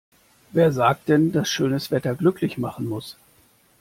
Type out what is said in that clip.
Wer sagt denn, dass schönes Wetter glücklich machen muss?